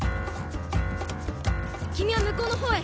君はむこうの方へ。